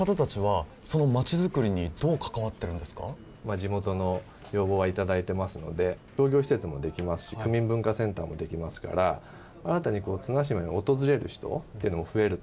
地元の要望は頂いてますので商業施設もできますし区民文化センターもできますから新たに綱島に訪れる人っていうのも増えると思うんですよね。